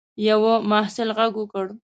یوه محصل غږ وکړ.